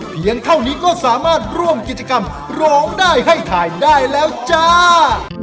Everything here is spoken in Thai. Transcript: เพียงเท่านี้ก็สามารถร่วมกิจกรรมร้องได้ให้ถ่ายได้แล้วจ้า